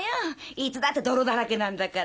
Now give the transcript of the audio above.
いつだって泥だらけなんだから。